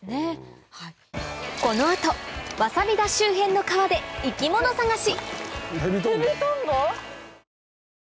この後わさび田周辺の川で生き物探し！